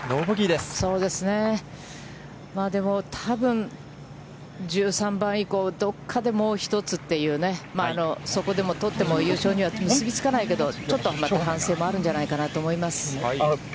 でも多分、１３番以降、どこかでもう一つというね、そこでも取っても優勝には結びつかないけど、ちょっとまた反省もあるんじゃないかなと思います。